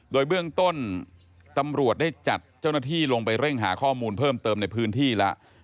โดยเบื้องต้นตำรวจได้จัดเจ้าหน้าที่ลงไปเร่งหาข้อมูลเพิ่มเติมในพื้นที่แล้ว